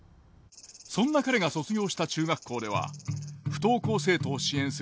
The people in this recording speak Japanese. そんな彼が卒業した中学校では不登校生徒を支援する教室